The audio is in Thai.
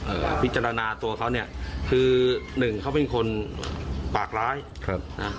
พิจารณาตัวเขาเนี้ยคือหนึ่งเขาเป็นคนปากร้ายครับนะ